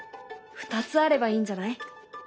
２つあればいいんじゃない？